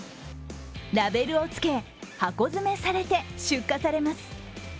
ラベルをつけ、箱詰めされて出荷されます。